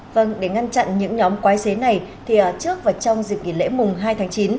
vâng để ngăn chặn những nhóm quái xế này thì trước và trong dịp nghỉ lễ mùng hai tháng chín